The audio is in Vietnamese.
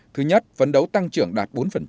thứ nhất phấn đấu tăng trưởng đạt bốn